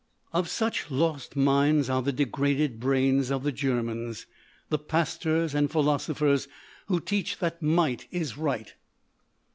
"Of such lost minds are the degraded brains of the Germans—the pastors and philosophers who teach that might is right.